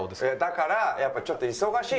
だからやっぱちょっと。